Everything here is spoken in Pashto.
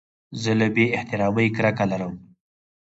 زه له بې احترامۍ کرکه لرم.